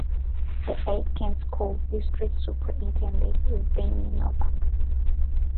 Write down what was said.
The Aitkin School District's Superintendent is Bernie Novak.